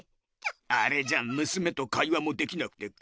あれじゃむすめと会話もできなくて草！